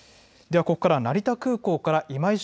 ここからは成田空港から今井翔